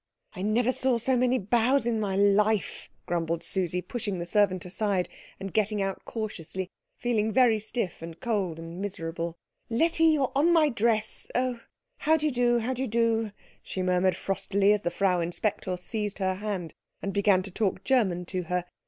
"I never saw so many bows in my life," grumbled Susie, pushing the servant aside, and getting out cautiously, feeling very stiff and cold and miserable. "Letty, you are on my dress oh, how d'you do how d'you do," she murmured frostily, as the Frau Inspector seized her hand and began to talk German to her.